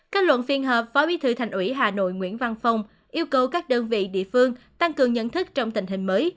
kết luận phiên họp phó bí thư thành ủy hà nội nguyễn văn phong yêu cầu các đơn vị địa phương tăng cường nhận thức trong tình hình mới